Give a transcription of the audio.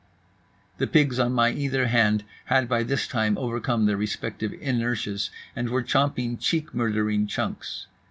The pigs on my either hand had by this time overcome their respective inertias and were chomping cheek murdering chunks.